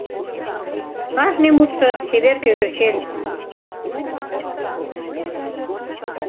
Кажне мутшо — чевер кӧгӧрчен.